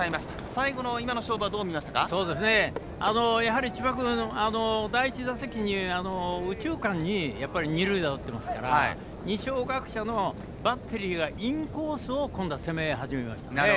最後の今の勝負はやはり千葉君第１打席に右中間に二塁打、打ってますから二松学舍のバッテリーがインコースを今度は攻め始めました。